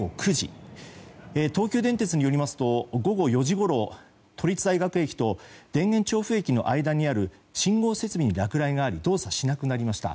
東急電鉄によりますと午後４時ごろ都立大学駅と田園調布駅の間にある信号設備に落雷があり動作しなくなりました。